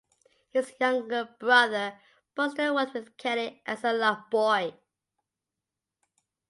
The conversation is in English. His younger brother, Buster, worked with Kelley as a lot boy.